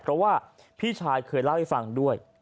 เพราะว่าพี่ชายเคยเล่าให้ฟังด้วย